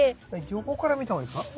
横から見たほうがいいですか？